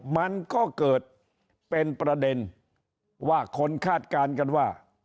มันก็เกิดเป็นประเด็นว่าคนคาดการณ์กันว่า